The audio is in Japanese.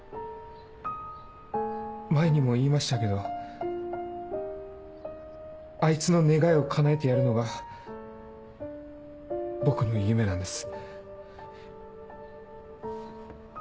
前にも言いましたけどあいつの願いをかなえてやるのが僕の夢なんです。